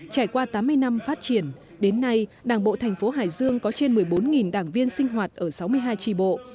trải qua tám mươi năm phát triển đến nay đảng bộ thành phố hải dương có trên một mươi bốn đảng viên sinh hoạt ở sáu mươi hai tri bộ